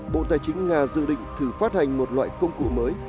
bộ tài chính nga dự định thử phát hành một loại công cụ mới